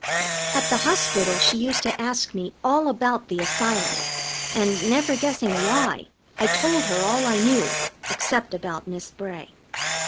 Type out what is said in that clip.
At the hospital she used to ask me all about the Asylum, and, never guessing why, I told her all I knew, except about Miss Bray.